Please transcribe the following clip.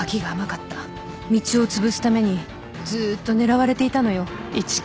「みちおをつぶすためにずっと狙われていたのよ」